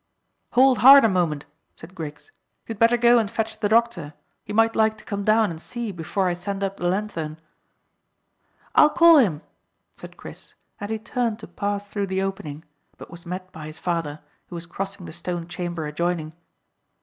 "Hold hard a moment," said Griggs. "You'd better go and fetch the doctor. He might like to come down and see before I send up the lanthorn." "I'll call him," said Chris, and he turned to pass through the opening, but was met by his father, who was crossing the stone chamber adjoining.